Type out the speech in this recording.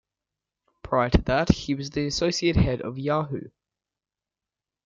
Prior to that, he was the Associate Head of Yahoo!